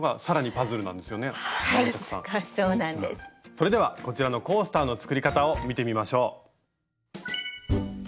それではこちらのコースターの作り方を見てみましょう。